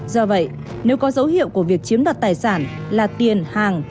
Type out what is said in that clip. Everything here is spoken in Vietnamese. do vậy nếu có dấu hiệu của việc chiếm đoạt tài sản là tiền hàng